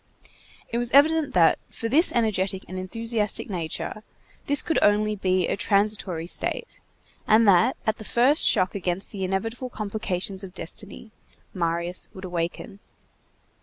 It was evident that, for this energetic and enthusiastic nature, this could only be a transitory state, and that, at the first shock against the inevitable complications of destiny, Marius would awaken.